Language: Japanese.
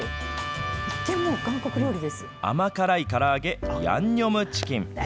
甘辛いから揚げ、ヤンニョムチキン。